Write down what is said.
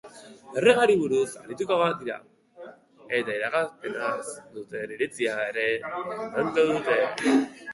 Erregeari buruz arituko dira, eta iragarpenaz duten iritzia ere emango dute.